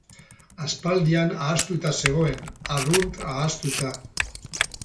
Aspaldian ahaztuta zegoen, arrunt ahaztuta.